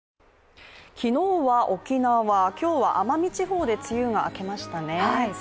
昨日は沖縄、今日は奄美地方で梅雨が明けましたね。